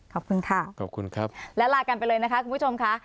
ขอบคุณค่ะขอบคุณครับและลากันไปเลยนะคะคุณผู้ชมค่ะ